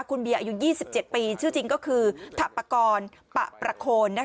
คุณเบียร์อายุ๒๗ปีชื่อจริงก็คือถัปกรณ์ปะประโคน